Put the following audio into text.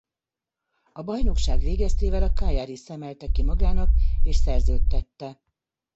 A bajnokság végeztével a Cagliari szemelte ki magának és szerződtette.